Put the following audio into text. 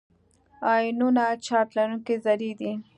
آیونونه چارج لرونکي ذرې دي.